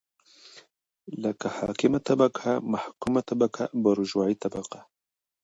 لکه حاکمه طبقه ،محکومه طبقه بوژوايي طبقه